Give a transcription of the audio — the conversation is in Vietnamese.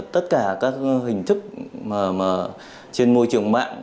tất cả các hình thức trên môi trường mạng